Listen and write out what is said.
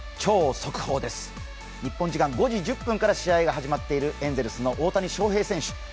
日本時間５時１０分から試合が始まっているエンゼルスの大谷翔平選手